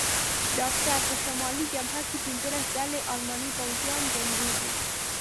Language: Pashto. ډاکټر: په شمالي جبهه کې پنځلس ډلې الماني پوځیان جنګېږي.